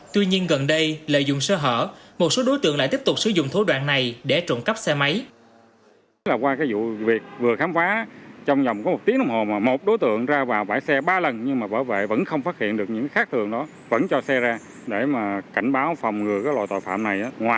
tuy nhiên gần đây lợi dụng sơ hở một số đối tượng lại tiếp tục sử dụng thủ đoạn này để trộn cắp xe máy